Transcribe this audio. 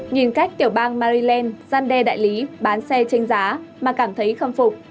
nhìn cách tiểu bang maryland gian đe đại lý bán xe tranh giá mà cảm thấy khâm phục